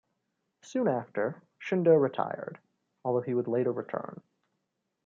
Soon after, Shundo retired, although he would later return.